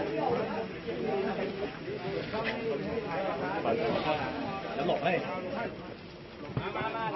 สวัสดีครับทุกคน